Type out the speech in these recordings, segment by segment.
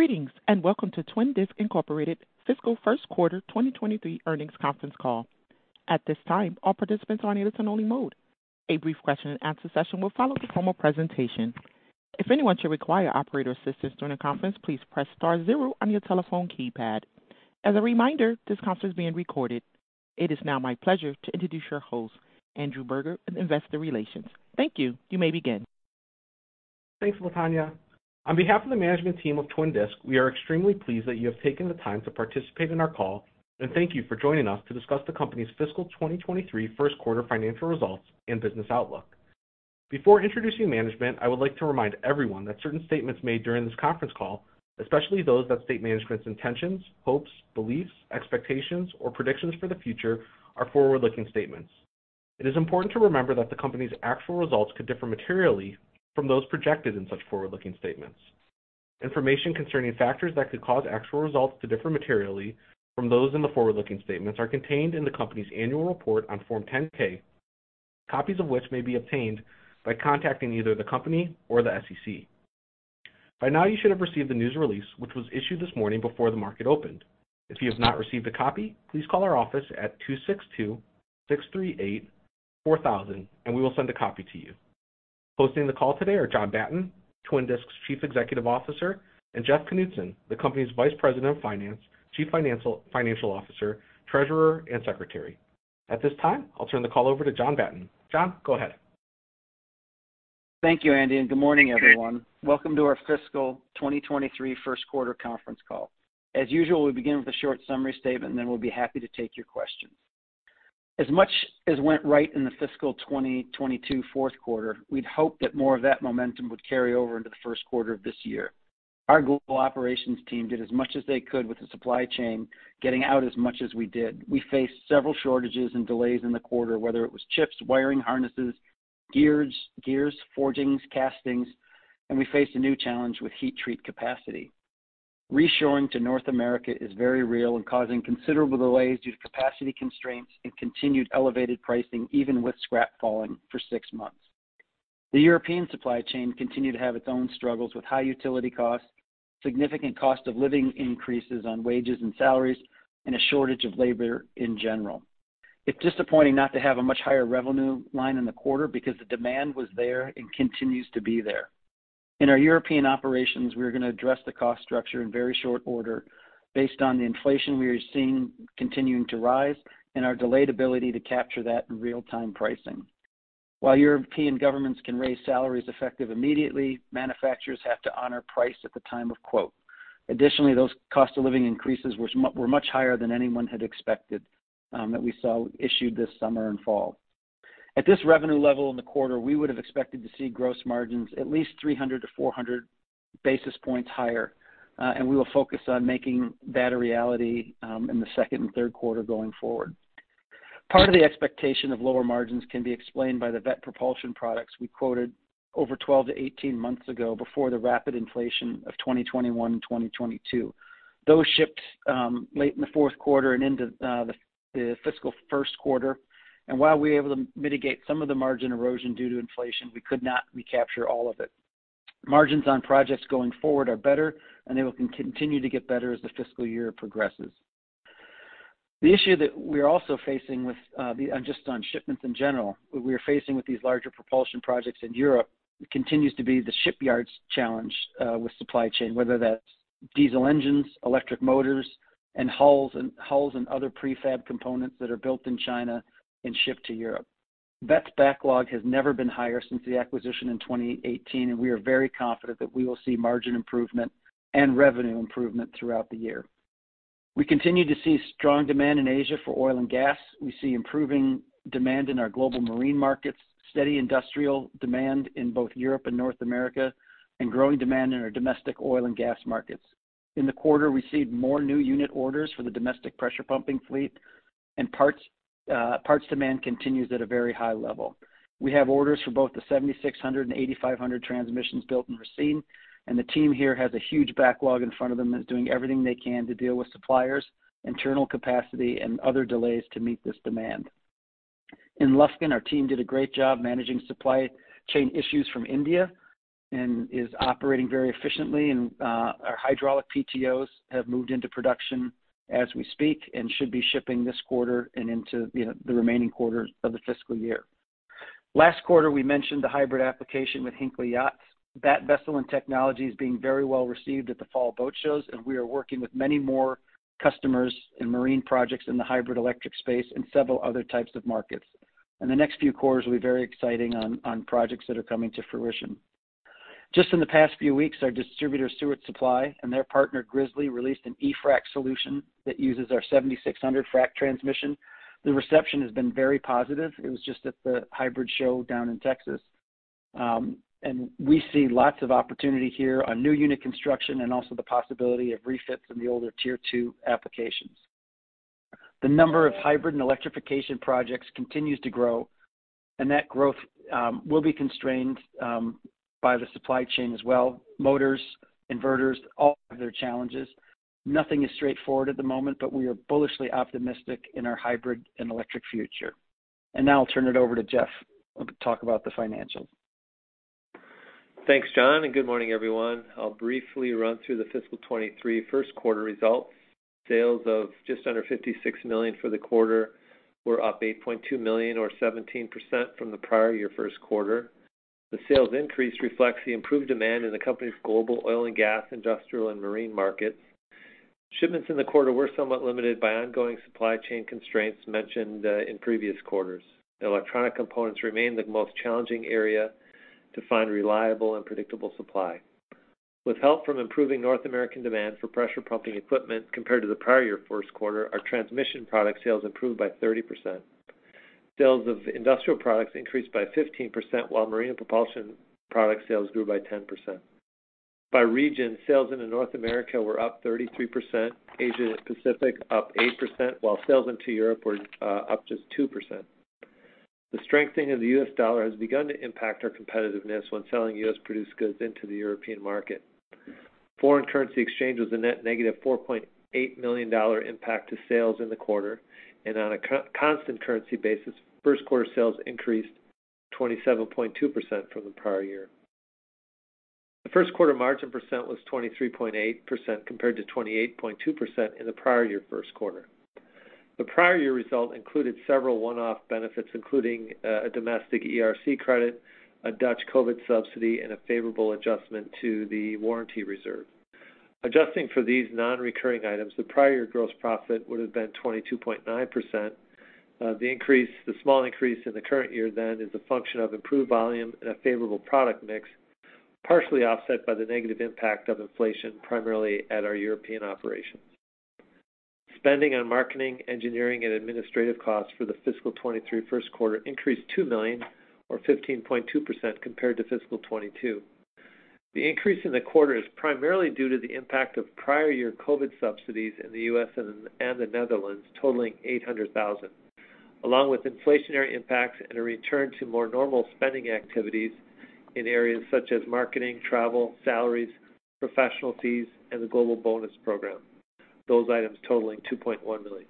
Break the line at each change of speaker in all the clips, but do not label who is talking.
Greetings, and welcome to Twin Disc, Incorporated fiscal first quarter 2023 earnings conference call. At this time, all participants are in a listen-only mode. A brief question-and-answer session will follow the formal presentation. If anyone should require operator assistance during the conference, please press star zero on your telephone keypad. As a reminder, this conference is being recorded. It is now my pleasure to introduce your host, Andrew Berger, in Investor Relations. Thank you. You may begin.
Thanks, Latonya. On behalf of the management team of Twin Disc, we are extremely pleased that you have taken the time to participate in our call, and thank you for joining us to discuss the company's fiscal 2023 first quarter financial results and business outlook. Before introducing management, I would like to remind everyone that certain statements made during this conference call, especially those that state management's intentions, hopes, beliefs, expectations, or predictions for the future are forward-looking statements. It is important to remember that the company's actual results could differ materially from those projected in such forward-looking statements. Information concerning factors that could cause actual results to differ materially from those in the forward-looking statements are contained in the company's annual report on Form 10-K, copies of which may be obtained by contacting either the company or the SEC. By now, you should have received the news release, which was issued this morning before the market opened. If you have not received a copy, please call our office at (262) 638-4000, and we will send a copy to you. Hosting the call today are John Batten, Twin Disc's Chief Executive Officer, and Jeff Knutson, the company's Vice President of Finance, Chief Financial Officer, Treasurer, and Secretary. At this time, I'll turn the call over to John Batten. John, go ahead.
Thank you, Andy, and good morning, everyone. Welcome to our fiscal 2023 first quarter conference call. As usual, we begin with a short summary statement, and then we'll be happy to take your questions. As much as went right in the fiscal 2022 fourth quarter, we'd hoped that more of that momentum would carry over into the first quarter of this year. Our global operations team did as much as they could with the supply chain getting out as much as we did. We faced several shortages and delays in the quarter, whether it was chips, wiring harnesses, gears, forgings, castings, and we faced a new challenge with heat treat capacity. Reshoring to North America is very real and causing considerable delays due to capacity constraints and continued elevated pricing, even with scrap falling for 6 months. The European supply chain continued to have its own struggles with high utility costs, significant cost of living increases on wages and salaries, and a shortage of labor in general. It's disappointing not to have a much higher revenue line in the quarter because the demand was there and continues to be there. In our European operations, we are gonna address the cost structure in very short order based on the inflation we are seeing continuing to rise and our delayed ability to capture that in real-time pricing. While European governments can raise salaries effective immediately, manufacturers have to honor price at the time of quote. Additionally, those cost of living increases were much higher than anyone had expected, that we saw issued this summer and fall. At this revenue level in the quarter, we would have expected to see gross margins at least 300-400 basis points higher, and we will focus on making that a reality in the second and third quarter going forward. Part of the expectation of lower margins can be explained by the Veth Propulsion products we quoted over 12-18 months ago before the rapid inflation of 2021 and 2022. Those shipped late in the fourth quarter and into the fiscal first quarter. While we were able to mitigate some of the margin erosion due to inflation, we could not recapture all of it. Margins on projects going forward are better, and they will continue to get better as the fiscal year progresses. The issue that we're also facing with the Just on shipments in general, we are facing with these larger propulsion projects in Europe, continues to be the shipyards challenge with supply chain, whether that's diesel engines, electric motors, and hulls and other prefab components that are built in China and shipped to Europe. Veth's backlog has never been higher since the acquisition in 2018, and we are very confident that we will see margin improvement and revenue improvement throughout the year. We continue to see strong demand in Asia for oil and gas. We see improving demand in our global marine markets, steady industrial demand in both Europe and North America, and growing demand in our domestic oil and gas markets. In the quarter, we received more new unit orders for the domestic pressure pumping fleet and parts demand continues at a very high level. We have orders for both the 7600 and 8500 transmissions built in Racine, and the team here has a huge backlog in front of them and is doing everything they can to deal with suppliers, internal capacity, and other delays to meet this demand. In Lufkin, our team did a great job managing supply chain issues from India and is operating very efficiently, and, our hydraulic PTOs have moved into production as we speak and should be shipping this quarter and into, you know, the remaining quarters of the fiscal year. Last quarter, we mentioned the hybrid application with Hinckley Yachts. That vessel and technology is being very well-received at the fall boat shows, and we are working with many more customers in marine projects in the hybrid electric space and several other types of markets. The next few quarters will be very exciting on projects that are coming to fruition. Just in the past few weeks, our distributor, Stewart & Stevenson, and their partner, Grizzly, released an E-Frac solution that uses our 7600 frac transmission. The reception has been very positive. It was just at the hybrid show down in Texas. We see lots of opportunity here on new unit construction and also the possibility of refits in the older Tier 2 applications. The number of hybrid and electrification projects continues to grow, and that growth will be constrained by the supply chain as well. Motors, inverters, all have their challenges. Nothing is straightforward at the moment, but we are bullishly optimistic in our hybrid and electric future. Now I'll turn it over to Jeff to talk about the financials.
Thanks, John, and good morning, everyone. I'll briefly run through the fiscal 2023 first quarter results. Sales of just under $56 million for the quarter were up $8.2 million or 17% from the prior year first quarter. The sales increase reflects the improved demand in the company's global oil and gas, industrial, and marine markets. Shipments in the quarter were somewhat limited by ongoing supply chain constraints mentioned in previous quarters. Electronic components remain the most challenging area to find reliable and predictable supply. With help from improving North American demand for pressure pumping equipment compared to the prior year first quarter, our transmission product sales improved by 30%. Sales of industrial products increased by 15%, while marine and propulsion product sales grew by 10%. By region, sales into North America were up 33%, Asia Pacific up 8%, while sales into Europe were up just 2%. The strengthening of the U.S. dollar has begun to impact our competitiveness when selling U.S. produced goods into the European market. Foreign currency exchange was a net -$4.8 million impact to sales in the quarter. On a constant currency basis, first quarter sales increased 27.2% from the prior year. The first quarter margin percent was 23.8% compared to 28.2% in the prior year first quarter. The prior year result included several one-off benefits, including a domestic ERC credit, a Dutch COVID subsidy, and a favorable adjustment to the warranty reserve. Adjusting for these non-recurring items, the prior year gross profit would have been 22.9%. The small increase in the current year is a function of improved volume and a favorable product mix, partially offset by the negative impact of inflation, primarily at our European operations. Spending on marketing, engineering, and administrative costs for the fiscal 2023 first quarter increased $2 million or 15.2% compared to fiscal 2022. The increase in the quarter is primarily due to the impact of prior year COVID subsidies in the U.S. and the Netherlands totaling $800,000, along with inflationary impacts and a return to more normal spending activities in areas such as marketing, travel, salaries, professional fees, and the global bonus program. Those items totaling $2.1 million.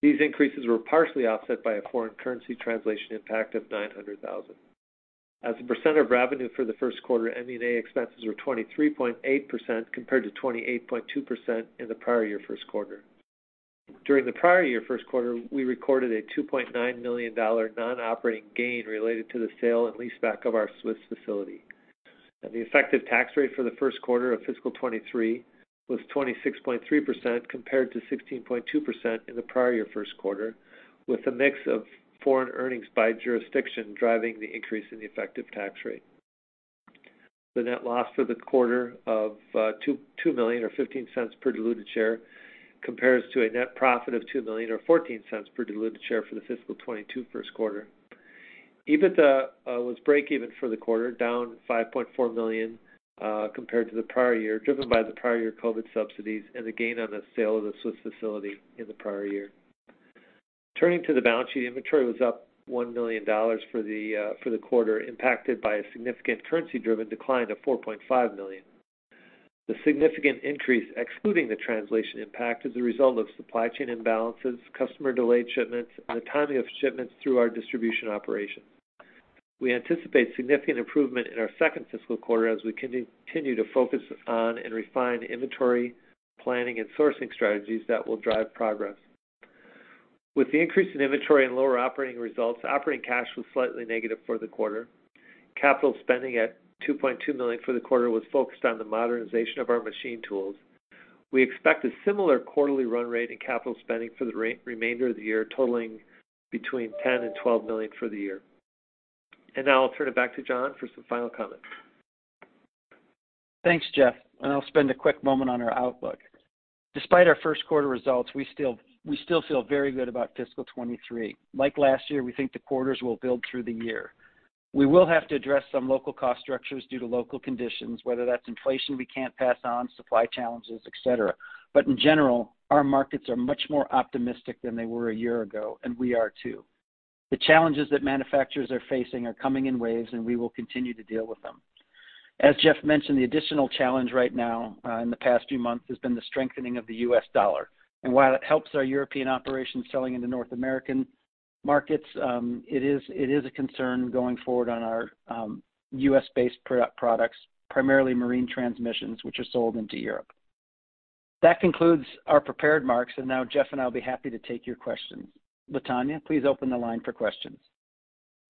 These increases were partially offset by a foreign currency translation impact of $900,000. As a percent of revenue for the first quarter, M&A expenses were 23.8% compared to 28.2% in the prior year first quarter. During the prior year first quarter, we recorded a $2.9 million non-operating gain related to the sale and leaseback of our Swiss facility. The effective tax rate for the first quarter of fiscal 2023 was 26.3% compared to 16.2% in the prior year first quarter, with a mix of foreign earnings by jurisdiction driving the increase in the effective tax rate. The net loss for the quarter of $2 million or $0.15 per diluted share compares to a net profit of $2 million or $0.14 per diluted share for the fiscal 2022 first quarter. EBITDA was breakeven for the quarter, down $5.4 million compared to the prior year, driven by the prior year COVID subsidies and the gain on the sale of the Swiss facility in the prior year. Turning to the balance sheet, inventory was up $1 million for the quarter, impacted by a significant currency driven decline of $4.5 million. The significant increase excluding the translation impact is a result of supply chain imbalances, customer delayed shipments, and the timing of shipments through our distribution operations. We anticipate significant improvement in our second fiscal quarter as we continue to focus on and refine inventory planning and sourcing strategies that will drive progress. With the increase in inventory and lower operating results, operating cash was slightly negative for the quarter. Capital spending at $2.2 million for the quarter was focused on the modernization of our machine tools. We expect a similar quarterly run rate in capital spending for the remainder of the year, totaling between $10 million-$12 million for the year. Now I'll turn it back to John for some final comments.
Thanks, Jeff. I'll spend a quick moment on our outlook. Despite our first quarter results, we still feel very good about fiscal 2023. Like last year, we think the quarters will build through the year. We will have to address some local cost structures due to local conditions, whether that's inflation we can't pass on, supply challenges, et cetera. In general, our markets are much more optimistic than they were a year ago, and we are too. The challenges that manufacturers are facing are coming in waves, and we will continue to deal with them. As Jeff mentioned, the additional challenge right now in the past few months has been the strengthening of the U.S. dollar. While it helps our European operations selling into North American markets, it is a concern going forward on our U.S.-based propulsion products, primarily marine transmissions, which are sold into Europe. That concludes our prepared remarks. Now Jeff and I'll be happy to take your questions. Latonya, please open the line for questions.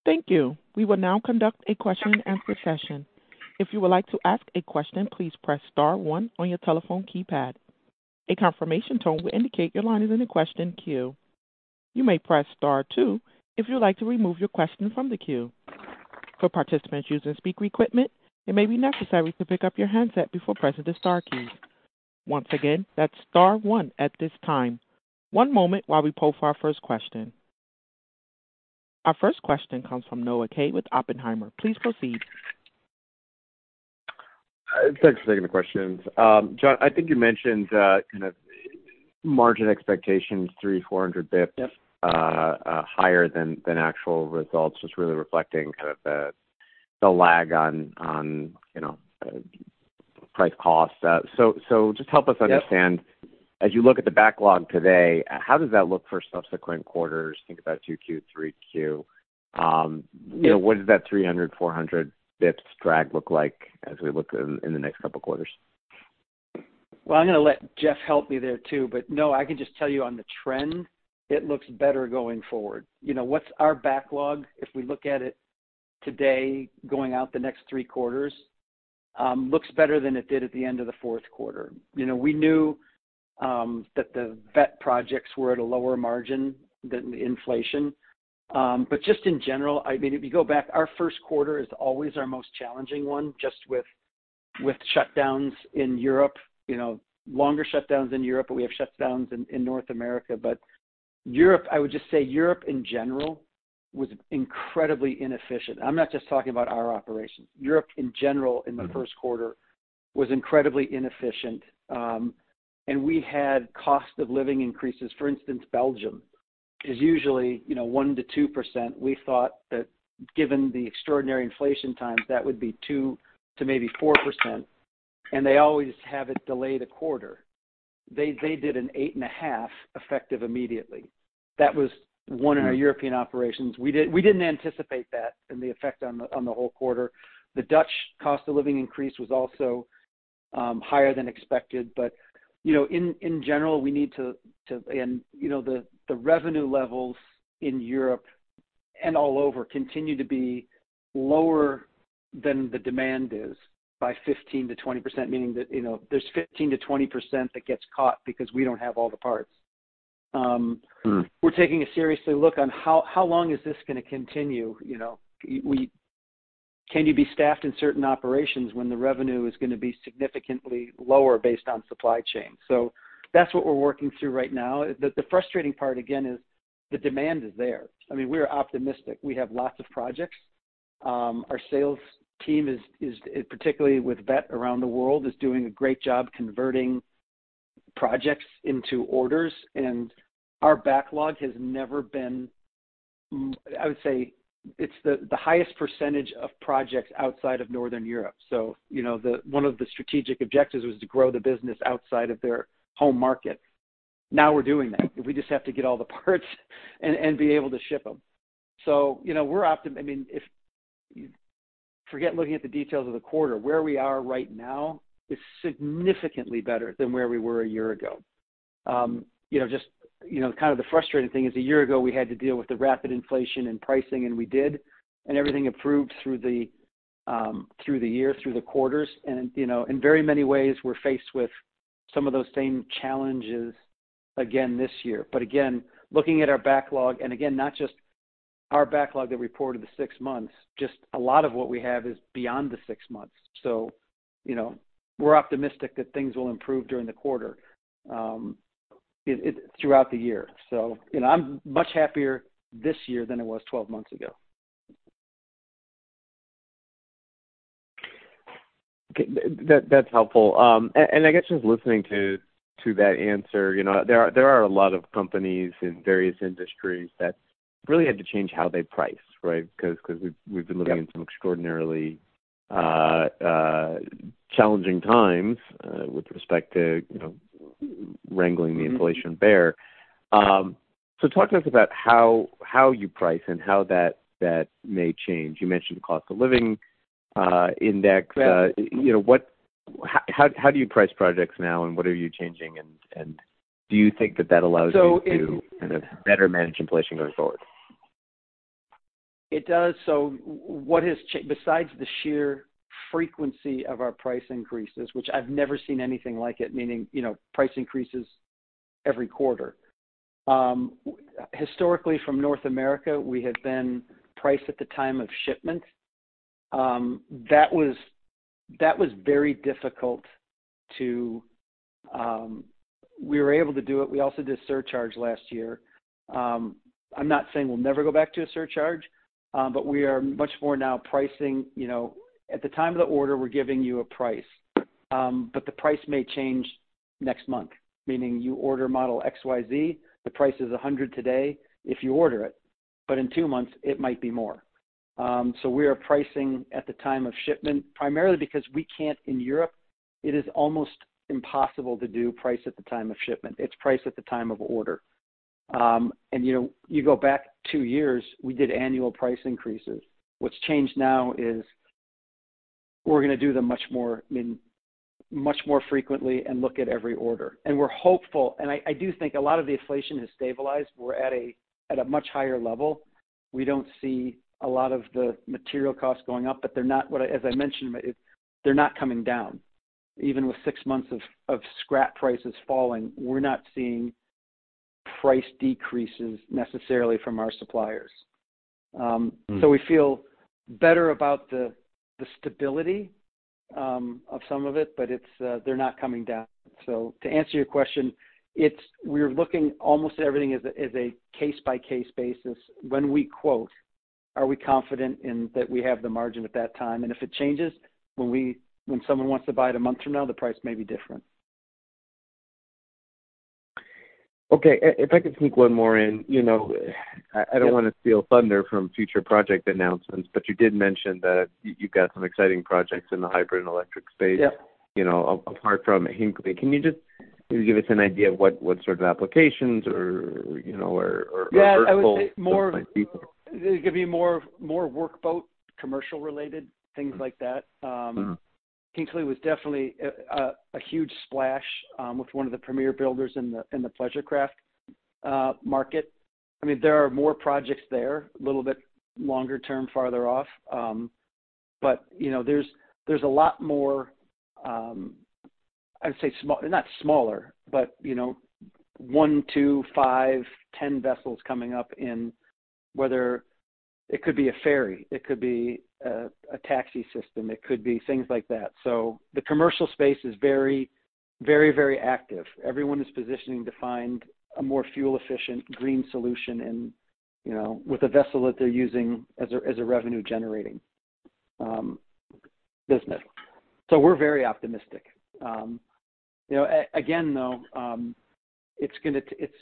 Thank you. We will now conduct a question and answer session. If you would like to ask a question, please press star one on your telephone keypad. A confirmation tone will indicate your line is in the question queue. You may press star two if you would like to remove your question from the queue. For participants using speaker equipment, it may be necessary to pick up your handset before pressing the star keys. Once again, that's star one at this time. One moment while we poll for our first question. Our first question comes from Noah Kaye with Oppenheimer. Please proceed.
Thanks for taking the questions. John, I think you mentioned kind of margin expectations, 300-400 basis points.
Yep.
Higher than actual results, just really reflecting kind of the lag on, you know, price costs. So just help us understand-
Yep.
As you look at the backlog today, how does that look for subsequent quarters? Think about 2Q, 3Q.
Yeah.
you know, what does that 300-400 basis points drag look like as we look in the next couple quarters?
Well, I'm gonna let Jeff help me there too, but no, I can just tell you on the trend, it looks better going forward. You know, what's our backlog if we look at it today going out the next three quarters, looks better than it did at the end of the fourth quarter. You know, we knew that the Veth projects were at a lower margin than the inflation. But just in general, I mean, if you go back, our first quarter is always our most challenging one, just with shutdowns in Europe, you know, longer shutdowns in Europe, but we have shutdowns in North America. But Europe, I would just say Europe in general was incredibly inefficient. I'm not just talking about our operations. Europe in general in the first quarter was incredibly inefficient. We had cost of living increases. For instance, Belgium is usually, you know, 1%-2%. We thought that given the extraordinary inflation times, that would be 2%-maybe 4%, and they always have it delayed a quarter. They did 8.5% effective immediately. That was one of our European operations. We didn't anticipate that and the effect on the whole quarter. The Dutch cost of living increase was also higher than expected, but you know, in general, we need to. You know, the revenue levels in Europe and all over continue to be lower than the demand is by 15%-20%, meaning that you know, there's 15%-20% that gets caught because we don't have all the parts.
Hmm.
We're taking a serious look at how long this is gonna continue, you know. We can be staffed in certain operations when the revenue is gonna be significantly lower based on supply chain. That's what we're working through right now. The frustrating part again is the demand is there. I mean, we're optimistic. We have lots of projects. Our sales team, particularly with Veth around the world, is doing a great job converting projects into orders, and our backlog has never been. I would say it's the highest percentage of projects outside of Northern Europe. You know, one of the strategic objectives was to grow the business outside of their home market. Now we're doing that. We just have to get all the parts and be able to ship them. you know, if you forget looking at the details of the quarter, where we are right now is significantly better than where we were a year ago. you know, just, you know, kind of the frustrating thing is a year ago, we had to deal with the rapid inflation and pricing, and we did, and everything improved through the year, through the quarters. you know, in very many ways, we're faced with some of those same challenges again this year. again, looking at our backlog, and again, not just our backlog that we reported the six months, just a lot of what we have is beyond the six months. you know, we're optimistic that things will improve during the quarter, throughout the year. You know, I'm much happier this year than I was 12 months ago.
Okay. That's helpful. I guess just listening to that answer, you know, there are a lot of companies in various industries that really had to change how they price, right? 'Cause we've been living-
Yep.
in some extraordinarily challenging times with respect to, you know, wrangling the inflation bear. Talk to us about how you price and how that may change. You mentioned cost of living index.
Yeah.
You know, how do you price projects now and what are you changing and do you think that allows you to?
So it-
Kind of better manage inflation going forward?
It does. Besides the sheer frequency of our price increases, which I've never seen anything like it, meaning, you know, price increases every quarter. Historically from North America, we had been priced at the time of shipment. That was very difficult to. We were able to do it. We also did surcharge last year. I'm not saying we'll never go back to a surcharge, but we are much more now pricing, you know, at the time of the order, we're giving you a price. The price may change next month, meaning you order model XYZ, the price is $100 today if you order it, but in two months it might be more. We are pricing at the time of shipment primarily because we can't in Europe. It is almost impossible to do price at the time of shipment. It's price at the time of order. You know, you go back two years, we did annual price increases. What's changed now is we're gonna do them much more, I mean, much more frequently and look at every order. We're hopeful. I do think a lot of the inflation has stabilized. We're at a much higher level. We don't see a lot of the material costs going up, but they're not, as I mentioned, coming down. Even with six months of scrap prices falling, we're not seeing price decreases necessarily from our suppliers.
Hmm.
We feel better about the stability of some of it, but it's they're not coming down. To answer your question, it's we're looking almost at everything as a case by case basis. When we quote, are we confident in that we have the margin at that time? If it changes when someone wants to buy it a month from now, the price may be different.
Okay. If I could sneak one more in. You know, I don't wanna steal thunder from future project announcements, but you did mention that you've got some exciting projects in the hybrid and electric space.
Yeah.
You know, apart from Hinckley, can you just give us an idea of what sort of applications or, you know, or vertical?
It could be more workboat commercial related, things like that.
Mm-hmm.
Hinckley was definitely a huge splash with one of the premier builders in the pleasure craft market. I mean, there are more projects there, a little bit longer term, farther off. You know, there's a lot more. I'd say small. Not smaller, but you know, one, two, five, 10 vessels coming up, whether it could be a ferry, it could be a taxi system, it could be things like that. The commercial space is very, very, very active. Everyone is positioning to find a more fuel efficient green solution and, you know, with a vessel that they're using as a revenue generating business. We're very optimistic. You know, again, though, it's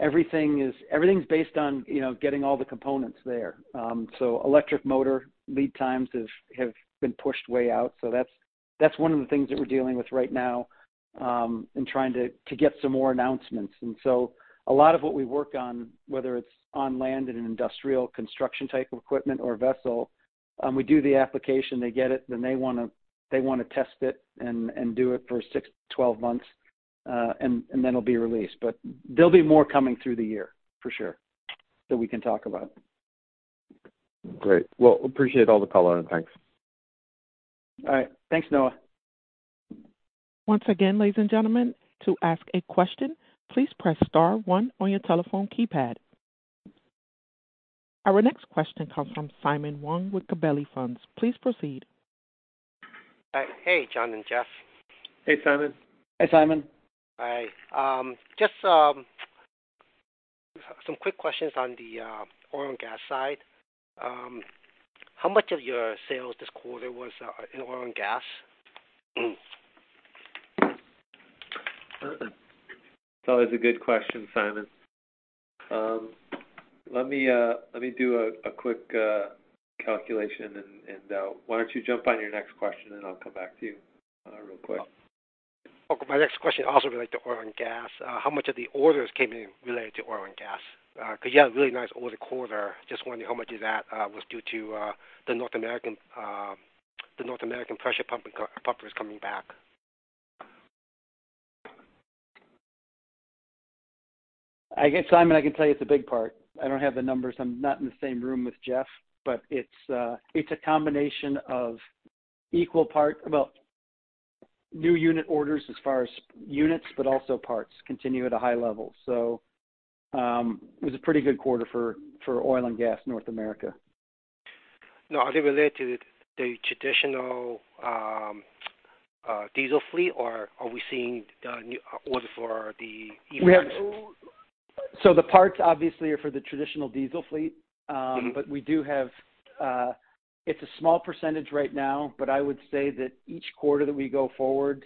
everything's based on you know, getting all the components there. Electric motor lead times have been pushed way out. That's one of the things that we're dealing with right now, in trying to get some more announcements. A lot of what we work on, whether it's on land in an industrial construction type of equipment or vessel, we do the application, they get it, then they wanna test it and do it for 6-12 months, and then it'll be released. There'll be more coming through the year for sure that we can talk about.
Great. Well, appreciate all the color and thanks.
All right. Thanks, Noah.
Once again, ladies and gentlemen, to ask a question, please press star one on your telephone keypad. Our next question comes from Simon Wong with Gabelli Funds. Please proceed.
Hey, John and Jeff.
Hey, Simon. Hey, Simon.
Hi. Just some quick questions on the oil and gas side. How much of your sales this quarter was in oil and gas?
It's always a good question, Simon. Let me do a quick calculation and why don't you jump on your next question, and I'll come back to you real quick.
Okay. My next question also relate to oil and gas. How much of the orders came in related to oil and gas? Because you had a really nice order quarter. Just wondering how much of that was due to the North American pressure pumping pumpers coming back.
I guess, Simon, I can tell you it's a big part. I don't have the numbers. I'm not in the same room with Jeff, but it's a combination. Well, new unit orders as far as units, but also parts continue at a high level. It was a pretty good quarter for oil and gas, North America.
No, are they related to the traditional, diesel fleet, or are we seeing the new order for the E-Frac?
The parts obviously are for the traditional diesel fleet.
Mm-hmm.
We do have. It's a small percentage right now, but I would say that each quarter that we go forward,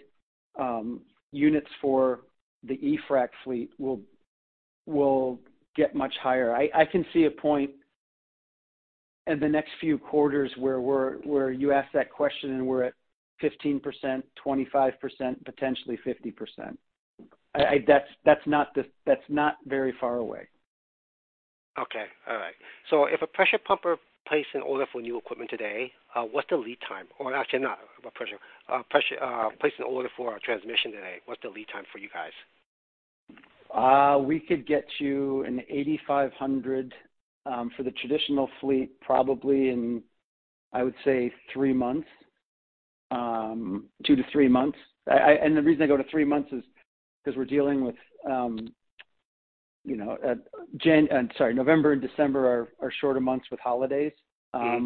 units for the E-Frac fleet will get much higher. I can see a point in the next few quarters where you ask that question and we're at 15%, 25%, potentially 50%. That's not very far away.
Okay. All right. If a pressure pumper placed an order for a transmission today, what's the lead time for you guys?
We could get you an 8500 for the traditional fleet probably in, I would say, three months, two-three months. The reason I go to three months is 'cause we're dealing with, you know, November and December are shorter months with holidays. Yeah,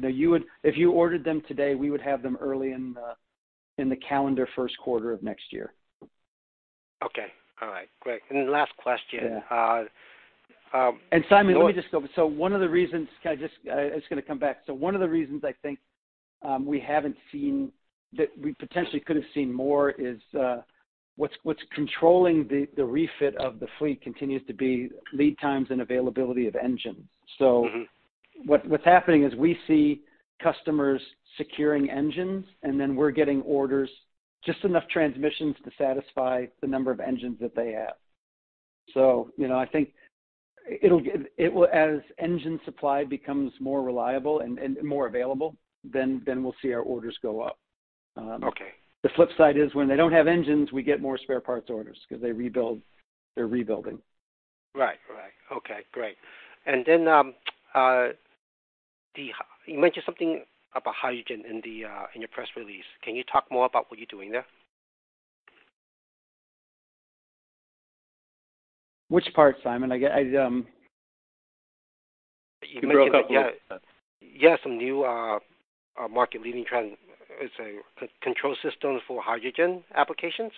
no. If you ordered them today, we would have them early in the calendar first quarter of next year.
Okay. All right, great. Last question.
Yeah.
Uh, um-
Simon, one of the reasons I think we haven't seen that we potentially could have seen more is what's controlling the refit of the fleet continues to be lead times and availability of engines.
Mm-hmm.
What's happening is we see customers securing engines, and then we're getting orders, just enough transmissions to satisfy the number of engines that they have. You know, I think it'll as engine supply becomes more reliable and more available, then we'll see our orders go up.
Okay.
The flip side is when they don't have engines, we get more spare parts orders 'cause they rebuild. They're rebuilding.
Right. Okay, great. You mentioned something about hydrogen in your press release. Can you talk more about what you're doing there?
Which part, Simon?
You mentioned a couple.
It's a control system for hydrogen applications.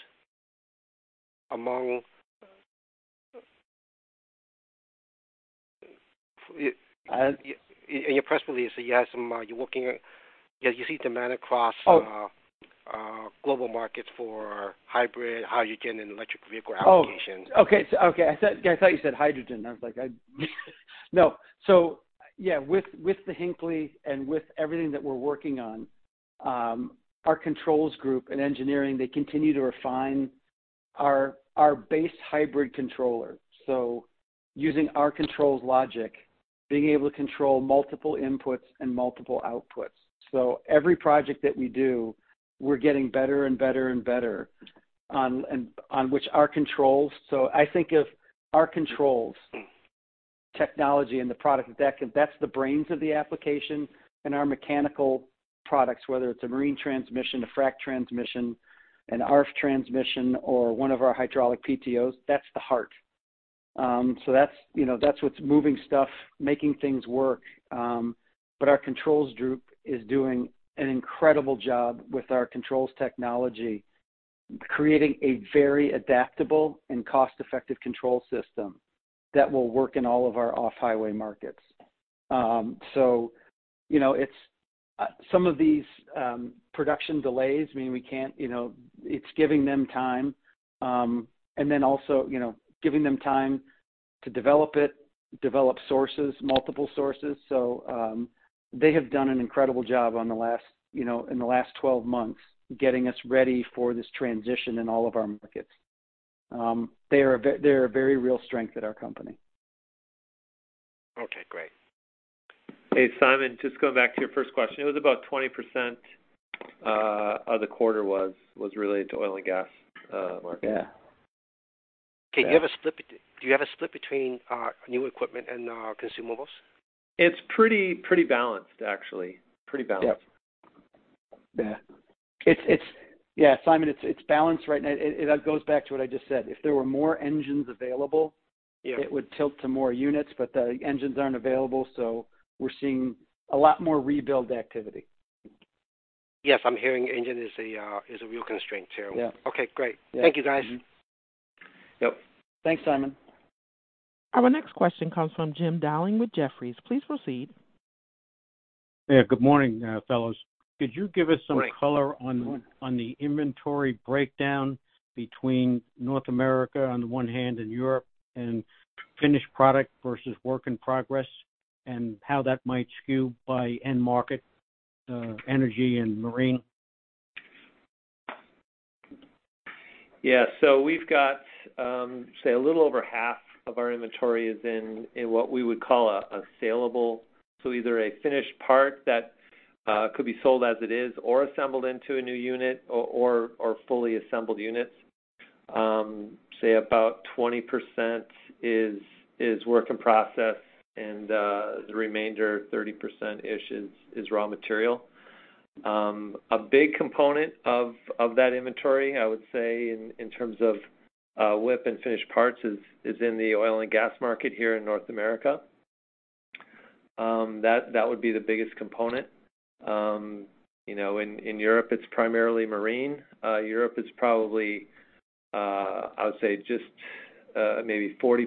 In your press release, you have some. You see demand across global markets for hybrid, hydrogen and electric vehicle applications.
Oh, okay. I thought you said hydrogen. No. Yeah, with the Hinckley and with everything that we're working on, our controls group in engineering, they continue to refine our base hybrid controller. Using our controls logic, being able to control multiple inputs and multiple outputs. Every project that we do, we're getting better and better and better on our controls. I think of our controls technology and the product, that's the brains of the application and our mechanical products, whether it's a marine transmission, a frac transmission, an ARFF transmission, or one of our hydraulic PTOs, that's the heart. That's, you know, what's moving stuff, making things work. Our controls group is doing an incredible job with our controls technology, creating a very adaptable and cost-effective control system that will work in all of our off-highway markets. You know, some of these production delays mean we can't, you know, it's giving them time, and then also, you know, giving them time to develop it, develop sources, multiple sources. They have done an incredible job in the last 12 months, getting us ready for this transition in all of our markets. They are a very real strength at our company.
Okay, great.
Hey, Simon, just going back to your first question. It was about 20% of the quarter was related to oil and gas market.
Yeah. Do you have a split between new equipment and consumables?
It's pretty balanced, actually. Pretty balanced.
Yeah.
Yeah, Simon, it's balanced right now. It goes back to what I just said. If there were more engines available-
Yeah.
It would tilt to more units, but the engines aren't available, so we're seeing a lot more rebuild activity.
Yes, I'm hearing, engine is a real constraint here.
Yeah.
Okay, great. Thank you, guys.
Yep.
Thanks, Simon.
Our next question comes from James Dowling with Jefferies. Please proceed.
Yeah, good morning, fellows.
Good morning.
Could you give us some color on the inventory breakdown between North America on the one hand and Europe and finished product versus work in progress and how that might skew by end market, energy and marine?
We've got a little over half of our inventory in what we would call saleable. Either a finished part that could be sold as it is or assembled into a new unit or fully assembled units. Say about 20% is work in process and the remainder 30%-ish is raw material. A big component of that inventory, I would say in terms of WIP and finished parts, is in the oil and gas market here in North America. That would be the biggest component. You know, in Europe it's primarily marine. Europe is probably, I would say just, maybe 40%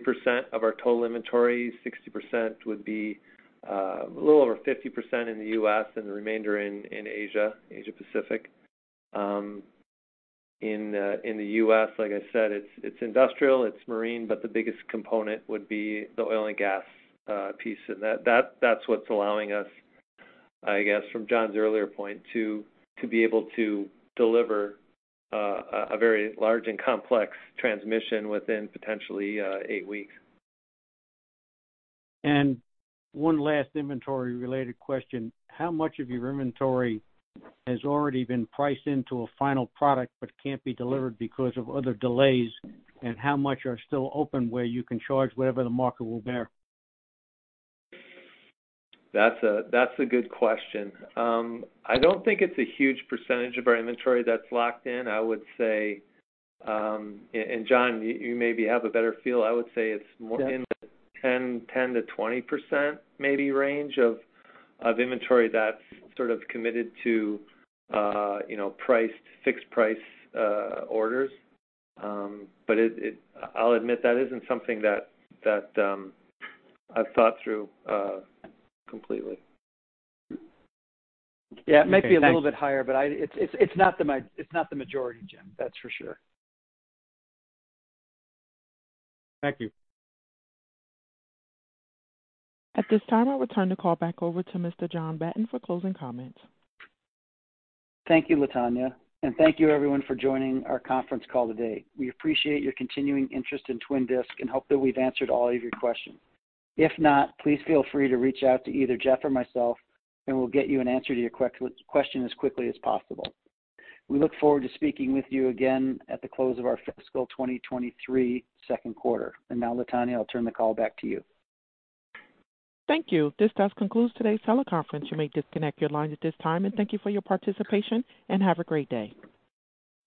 of our total inventory, 60% would be a little over 50% in the U.S. and the remainder in Asia-Pacific. In the U.S., like I said, it's industrial, it's marine, but the biggest component would be the oil and gas piece. That's what's allowing us, I guess, from John's earlier point, to be able to deliver a very large and complex transmission within potentially eight weeks.
One last inventory-related question. How much of your inventory has already been priced into a final product but can't be delivered because of other delays, and how much are still open where you can charge whatever the market will bear?
That's a good question. I don't think it's a huge percentage of our inventory that's locked in. I would say, and John, you maybe have a better feel. I would say it's more in the 10%-20% maybe range of inventory that's sort of committed to, you know, priced, fixed price orders. I'll admit that isn't something that I've thought through completely.
Yeah, it might be a little bit higher, but it's not the majority, Jim, that's for sure.
Thank you.
At this time, I'll return the call back over to Mr. John Batten for closing comments.
Thank you, Latonya, and thank you everyone for joining our conference call today. We appreciate your continuing interest in Twin Disc and hope that we've answered all of your questions. If not, please feel free to reach out to either Jeff or myself, and we'll get you an answer to your question as quickly as possible. We look forward to speaking with you again at the close of our fiscal 2023 second quarter. Now, Latonya, I'll turn the call back to you.
Thank you. This does conclude today's teleconference. You may disconnect your lines at this time, and thank you for your participation, and have a great day.